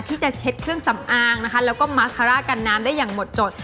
ที่จะเช็ดเครื่องสำอางนะคะแล้วก็มัสคาร่ากันน้ำได้อย่างหมดจด